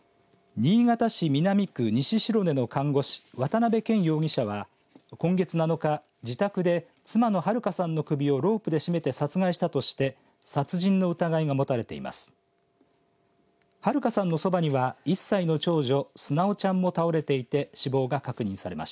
新潟市南区西白根の看護師渡辺健容疑者は、今月７日自宅で妻の春香さんの首をロープで絞めて殺害したとして殺人の疑いが持たれています。